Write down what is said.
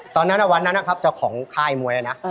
วันนั้นวันนั้นนะครับเจ้าของค่ายมวยนะ